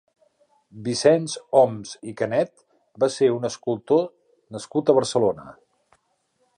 Vicenç Oms i Canet va ser un escultor nascut a Barcelona.